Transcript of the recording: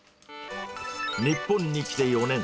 日本に来て４年。